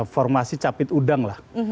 formasi capit udang lah